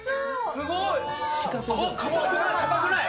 すごい。